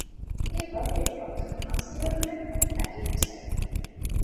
এ ওয়ার্ডের বর্তমান কাউন্সিলর হলেন জাকির হোসেন।